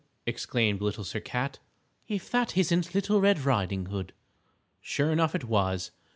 exclaimed Little Sir Cat, "if that isn't Little Red Riding Hood." Sure enough it was.